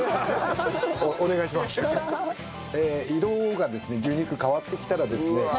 色がですね牛肉変わってきたらですね